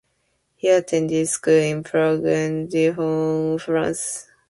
He attended school in Prague and Dijon, France.